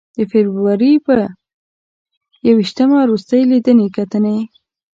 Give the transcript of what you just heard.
د فبروري په ی ویشتمه روستۍ لیدنې کتنې.